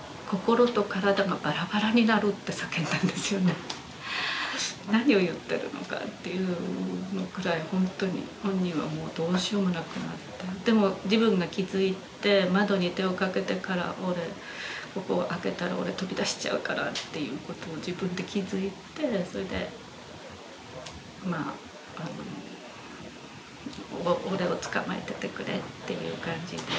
その時はもう何を言ってるのかというぐらいほんとに本人はもうどうしようもなくなってでも自分が気付いて窓に手をかけてから「俺ここを開けたら飛び出しちゃうから」っていう事を自分で気付いてそれでまあ「俺を捕まえててくれ」っていう感じで。